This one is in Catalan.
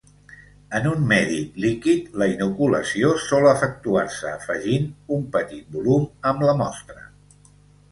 En un medi líquid la inoculació sol efectuar-se afegint un petit volum amb la mostra.